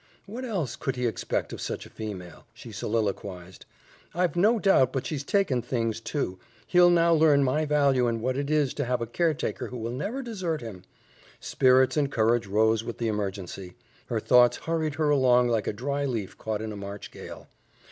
"What else could he expect of such a female?" she soliloquized. "I've no doubt but she's taken things, too. He'll now learn my value and what it is to have a caretaker who will never desert him." Spirits and courage rose with the emergency; her thoughts hurried her along like a dry leaf caught in a March gale.